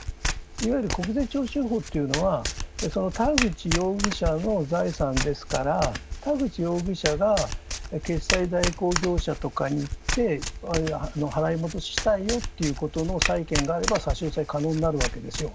いわゆる国税徴収法というのは、田口容疑者の財産ですから、田口容疑者が決済代行業者とかに行って、払い戻ししたいよってことの債権があれば差し押さえ可能になるわけですよ。